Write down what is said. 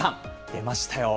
出ました？